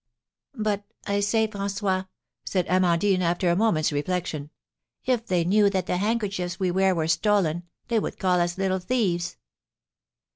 '" "But, I say, François," said Amandine, after a moment's reflection, "if they knew that the handkerchiefs we wear were stolen, they would call us little thieves."